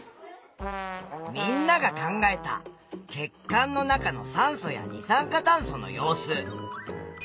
みんなが考えた血管の中の酸素や二酸化炭素の様子。